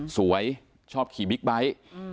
ชอบขี่บิ๊กไบท์